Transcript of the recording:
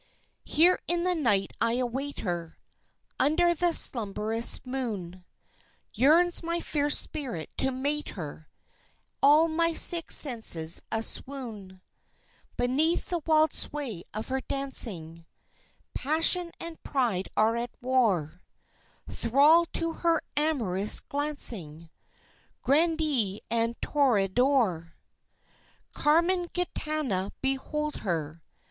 Here in the night I await her, Under the slumberous moon; Yearns my fierce spirit to mate her All my sick senses aswoon Beneath the wild sway of her dancing Passion and pride are at war; Thrall to her amorous glancing, Grandee and toreador. Carmen Gitana, behold her!